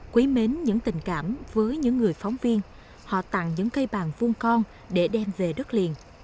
quý mến những tình cảm với những người phóng viên họ tặng những cây bàn vung con để đem về đất liền